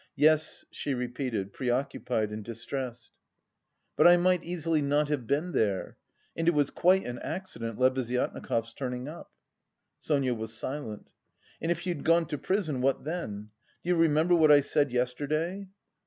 "Yes," she repeated, preoccupied and distressed. "But I might easily not have been there. And it was quite an accident Lebeziatnikov's turning up." Sonia was silent. "And if you'd gone to prison, what then? Do you remember what I said yesterday?"